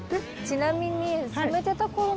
ちなみに。